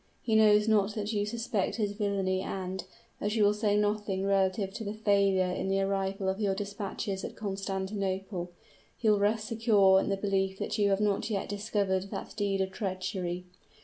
He knows not that you suspect his villainy and, as you will say nothing relative to the failure in the arrival of your dispatches at Constantinople, he will rest secure in the belief that you have not yet discovered that deed of treachery.